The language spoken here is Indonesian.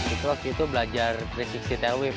itu waktu itu belajar tiga ratus enam puluh tailwhip